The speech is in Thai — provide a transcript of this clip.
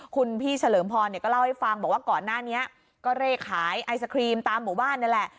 คุณพี่เฉลิมพรเนี่ยก็เล่าให้ฟังบอกว่าก่อนหน้านี้ก็เร่ขายไอศครีมตามหมู่บ้านนี่แหละ